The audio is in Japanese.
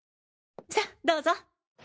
さどうぞ。